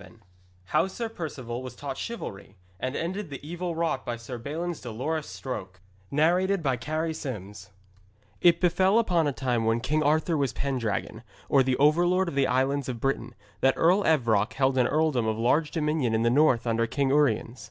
VII HOW SIR PERCEVAL WAS TAUGHT CHIVALRY, AND ENDED THE EVIL WROUGHT BY SIR BALIN'S DOLOROUS STROKE It befell upon a time when King Arthur was Pendragon, or overlord of the island of Britain, that Earl Evroc held an earldom of large dominion in the north under King Uriens.